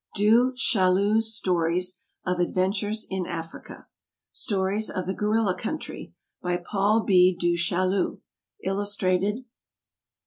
DU CHAILLU'S STORIES OF ADVENTURES IN AFRICA. Stories of the Gorilla Country. By PAUL B. DU CHAILLU. Illustrated.